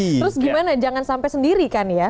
terus gimana jangan sampai sendiri kan ya